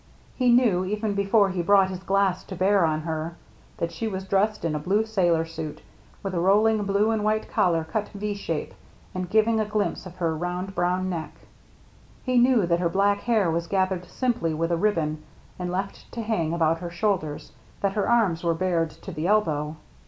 He knew, even before he brought his glass to bear on her, that she was dressed in a blue sailor suit, with a rolling blue and white collar cut V shape and giving a glimpse of her round brown neck. He knew that her black hair was gathered simply with a ribbon and left to hang about her shoulders, that her arms were bared to the elbow.